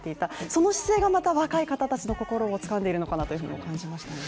その姿勢がまた若い方たちの心をつかんでいるのかなと思いましたね。